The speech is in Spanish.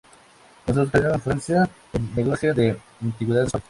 Comenzó su carrera en Francia en el negocio de antigüedades de su padre.